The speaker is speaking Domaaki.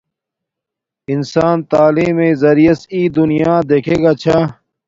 انسان تعلیم میݵ زریعس ای دنیا دکھے گاچھا